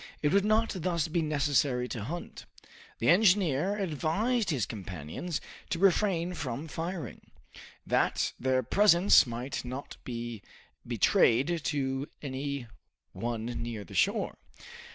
It would not thus be necessary to hunt. The engineer advised his companions to refrain from firing, that their presence might not be betrayed to any one near the shore.